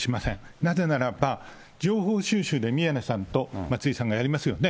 なぜならば、情報収取で宮根さんと松井さんがやりますよね。